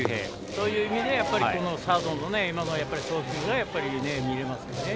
そういう意味でサードの送球が見えますね。